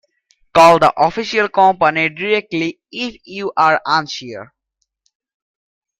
Call the official company directly if you are unsure.